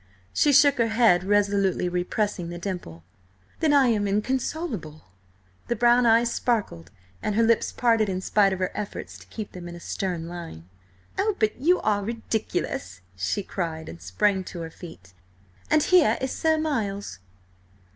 She shook her head, resolutely repressing the dimple. "Then I am inconsolable." The brown eyes sparkled and her lips parted in spite of her efforts to keep them in a stern line. "Oh, but you are ridiculous!" she cried, and sprang to her feet. "And here is Sir Miles!"